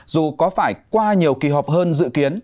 dù có phải qua nhiều kỳ họp hơn dự kiến